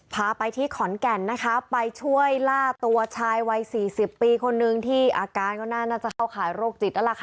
พาไปที่ขอนแก่นนะคะไปช่วยล่าตัวชายวัย๔๐ปีคนนึงที่อาการก็น่าจะเข้าขายโรคจิตแล้วล่ะค่ะ